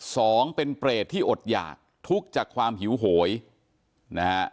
สองเป็นเปรตที่อดหยากทุกข์จากความหิวโหยนะฮะ